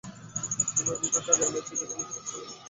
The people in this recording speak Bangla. জিম্বাবুয়ের বিপক্ষে আগের ম্যাচেই ব্যাটিংয়ের সমস্যা দেখা দিয়েছিল।